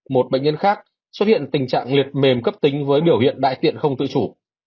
một bệnh nhân khác xuất hiện tình trạng liệt mềm cấp tính với biểu hiện đại tiện không tự chủ